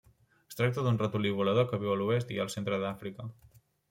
Es tracta d'un ratolí volador que viu a l'oest i al centre d'Àfrica.